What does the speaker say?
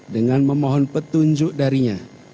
dengan memohon petunjuk darinya